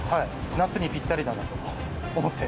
夏にぴったりだなと思って。